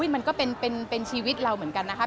มันก็เป็นชีวิตเราเหมือนกันนะคะ